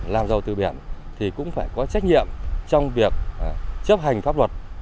làm giàu từ biển thì cũng phải có trách nhiệm trong việc chấp hành pháp luật